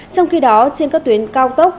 trong khi đó trên các tuyến cao tốc